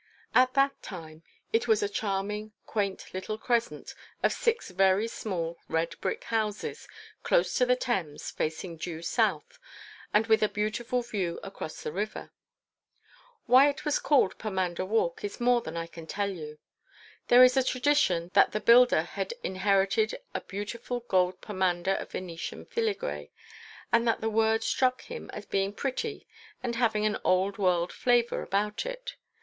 At that time it was a charming, quaint little crescent of six very small red brick houses, close to the Thames, facing due south, and with a beautiful view across the river. Why it was called Pomander Walk is more than I can tell you. There is a tradition that the builder had inherited a beautiful gold pomander of Venetian filigree and that the word struck him as being pretty and having an old world flavour about it.